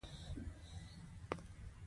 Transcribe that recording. په امریکا کې د مسلمانانو د یوې ټولنې مشري کوي.